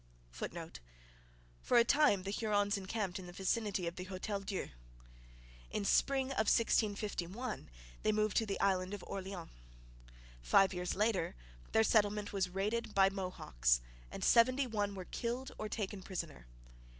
[Footnote: For a time the Hurons encamped in the vicinity of the Hotel Dieu. In the spring of 1651 they moved to the island of Orleans. Five years later their settlement was raided by Mohawks and seventy one were killed or taken prisoner.